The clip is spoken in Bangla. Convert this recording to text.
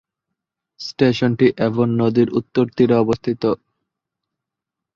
স্টেশনটি অ্যাভন নদীর উত্তর তীরে অবস্থিত।